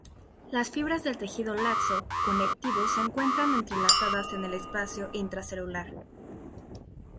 Las fibras de tejido laxo conectivo se encuentran entrelazadas en el espacio intracelular.